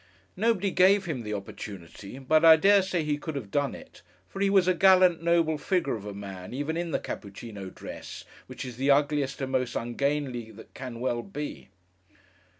Nobody gave him the opportunity, but I dare say he could have done it; for he was a gallant, noble figure of a man, even in the Cappuccíno dress, which is the ugliest and most ungainly that can well be.